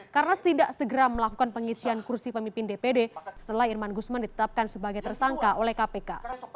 karena tidak segera melakukan pengisian kursi pemimpin dpd setelah irman gusman ditetapkan sebagai tersangka oleh kpk